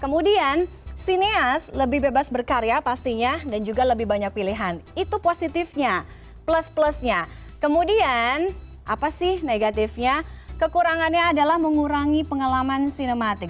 kemudian sineas lebih bebas berkarya pastinya dan juga lebih banyak pilihan itu positifnya plus plusnya kemudian apa sih negatifnya kekurangannya adalah mengurangi pengalaman sinematik